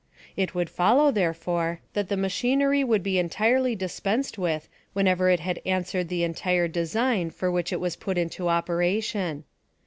It would follow, therefore, that the ma chinery would be entirely dispensed with when ever it had answered the entire design for which it was put into operation.